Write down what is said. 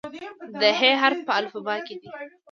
د "ح" حرف په الفبا کې دی.